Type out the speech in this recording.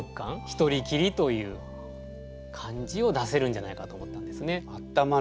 一人きりという感じを出せるんじゃないかと思ったんですね。